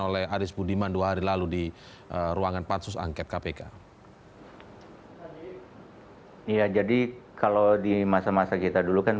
oleh aris budiman dua hari lalu di ruangan pansus angket kpk ya jadi kalau di masa masa kita dulu kan